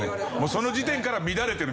その時点から乱れてるんですね。